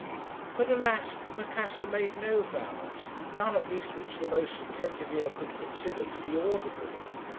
"But, alas! Macassar made no vows; none at least which the most attentive ear could consider to be audible.